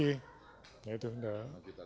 jadi ya sudah